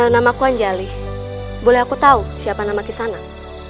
namaku anjali boleh aku tahu siapa nama kisanak